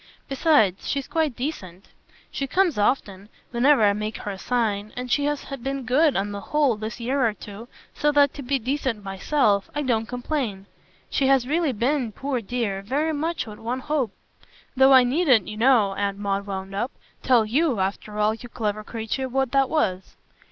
Besides, she's quite decent; she comes often whenever I make her a sign; and she has been good, on the whole, this year or two, so that, to be decent myself, I don't complain. She has really been, poor dear, very much what one hoped; though I needn't, you know," Aunt Maud wound up, "tell YOU, after all, you clever creature, what that was."